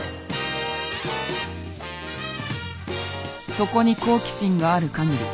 そこに好奇心があるかぎり